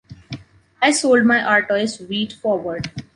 I sold my Artois wheat forward.